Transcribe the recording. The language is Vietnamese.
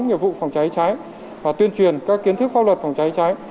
nghiệp vụ phòng cháy cháy và tuyên truyền các kiến thức pháp luật phòng cháy cháy